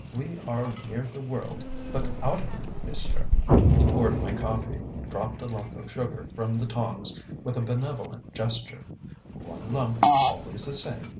We are near the world but out of it, monsieur." He poured my coffee; dropped a lump of sugar from the tongs with a benevolent gesture "One lump: always the same.